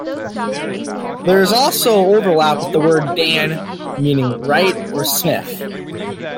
There is also overlap with the word "dan" meaning "wright or smith".